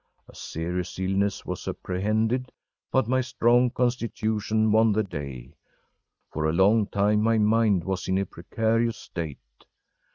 A serious illness was apprehended, but my strong constitution won the day. For a long time my mind was in a precarious state.